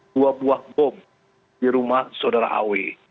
dua buah bom di rumah saudara aw